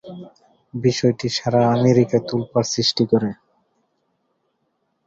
বিষয়টি সারা আমেরিকায় তোলপাড় সৃষ্টি করে।